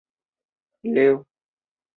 亦是他们近年来赢得总冠军的重要因素。